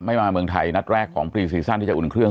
มาเมืองไทยนัดแรกของพรีซีซั่นที่จะอุ่นเครื่อง